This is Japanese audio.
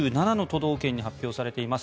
道県に発表されています。